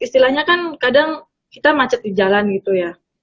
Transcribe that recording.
istilahnya kan kadang kita macet di jalan gitu ya